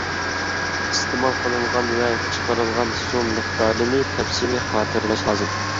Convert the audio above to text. ئىستېمال قىلىنغان ۋە چىقىرىلغان سۇ مىقدارىنى تەپسىلىي خاتىرىلەش لازىم.